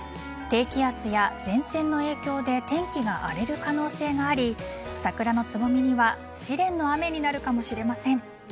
低気圧や前線の影響で天気が荒れる可能性があり桜のつぼみには試練の雨になるかもしれません。